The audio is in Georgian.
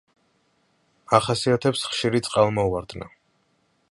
ახასიათებს ხშირი წყალმოვარდნა.